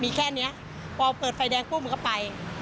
มีแค่นี้พอเปิดไฟแดงปุ๊บมันก็ไป